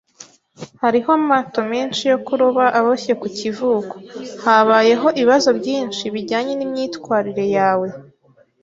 Hariho amato menshi yo kuroba aboshye ku kivuko. Habayeho ibibazo byinshi bijyanye nimyitwarire yawe.